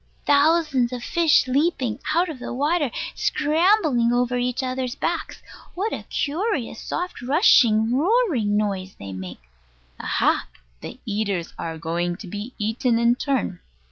Thousands of fish leaping out of the water, scrambling over each other's backs. What a curious soft rushing roaring noise they make! Aha! The eaters are going to be eaten in turn.